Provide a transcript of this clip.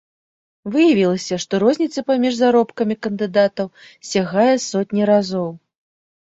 Выявілася, што розніца паміж заробкамі кандыдатаў сягае сотні разоў.